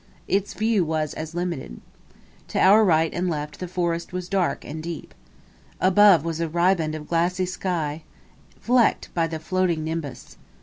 Its view was as limited. To our right and left the forest was dark and deep. Above was a riband of glassy sky flecked by the floating nimbus.